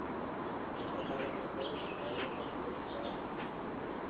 Esta tabla muestra los resultados de los partidos de cada Noche Azul.